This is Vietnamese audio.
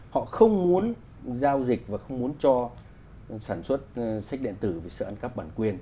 họ không muốn giao dịch và không muốn cho sản xuất sách điện tử vì sợ ăn cắp bản quyền